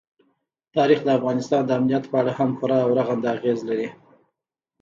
تاریخ د افغانستان د امنیت په اړه هم پوره او رغنده اغېز لري.